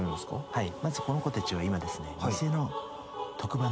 はい。